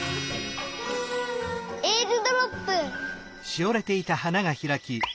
えーるドロップ！